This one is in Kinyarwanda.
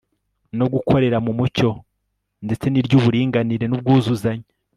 no gukorera mu mucyo ndetse n'iry'uburinganire n'ubwuzuzanye